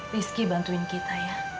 rizky bantuin kita ya